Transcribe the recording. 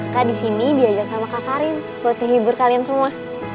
kaka di sini diajak sama kak karim buat nih hibur kalian semua